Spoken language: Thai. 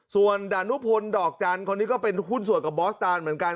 ส่วนดานุพลดอกจันทร์คนนี้ก็เป็นหุ้นส่วนกับบอสตานเหมือนกัน